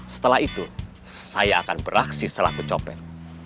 setelah itu saya akan beraksi selaku copet